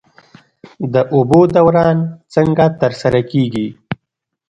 د اوبو دوران څنګه ترسره کیږي؟